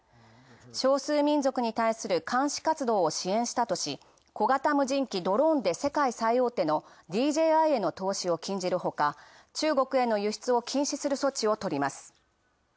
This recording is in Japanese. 少数民族に対する監視活動を支援したとし、小型無人機、ドローンで世界最大手のＤＪＩへの投資を禁じるほか、中国への輸出を禁止する措置をとります。